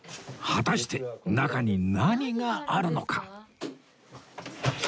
果たして中に何があるのか？